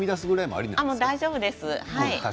大丈夫です。